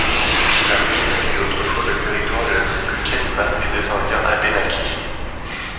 La région était autrefois le territoire de la tribu Canibas et des Indiens Abénaquis.